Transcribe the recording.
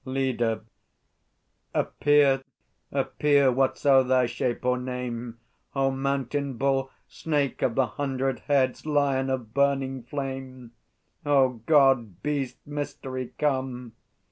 LEADER. Appear, appear, whatso thy shape or name O Mountain Bull, Snake of the Hundred Heads, Lion of Burning Flame! O God, Beast, Mystery, come!